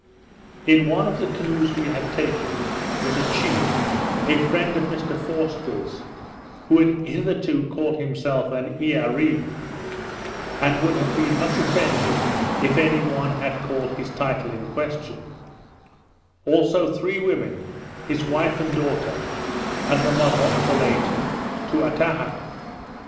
In one of the canoes we had taken, was a chief, a friend of Mr Forster's, who had hitherto called himself an Earee, and would have been much offended if any one had called his title in question; also three women, his wife and daughter, and the mother of the late Toutaha.